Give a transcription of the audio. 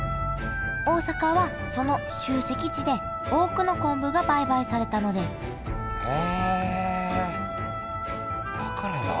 大阪はその集積地で多くの昆布が売買されたのですへえだからだ。